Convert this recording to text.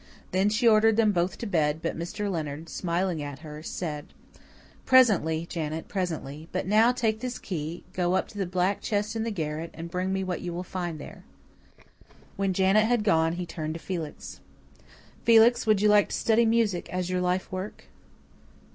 Then she ordered them both to bed; but Mr. Leonard, smiling at her, said: "Presently, Janet, presently. But now, take this key, go up to the black chest in the garret, and bring me what you will find there." When Janet had gone, he turned to Felix. "Felix, would you like to study music as your life work?"